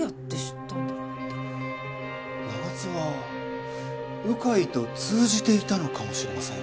長津は鵜飼と通じていたのかもしれません。